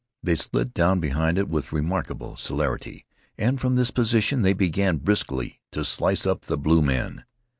They slid down behind it with remarkable celerity, and from this position they began briskly to slice up the blue men.